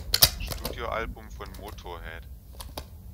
Studioalbum von Motörhead.